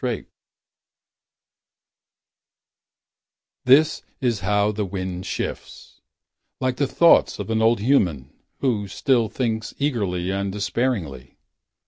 pdf This is how the wind shifts: Like the thoughts of an old himan. Who still thinks eagerly And despairingly.